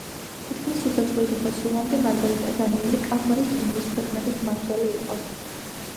თითქმის სიცოცხლის დასასრულამდე მარგარიტა დანიელი კალმარის უნიის ქვეყნების მმართველი იყო.